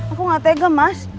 aku gak tega mas